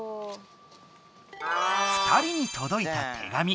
２人にとどいた手紙。